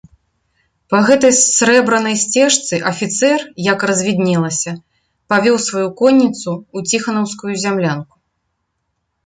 Па гэтай срэбранай сцежцы афіцэр, як развіднелася, павёў сваю конніцу ў ціханаўскую зямлянку.